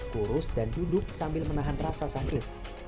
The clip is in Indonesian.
kurus dan duduk sambil menahan rasa sakit